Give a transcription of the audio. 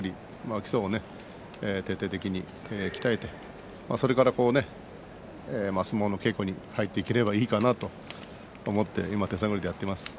基礎を徹底的に鍛えてそれから相撲の稽古に入っていければいいかなと思って今、手探りでやっています。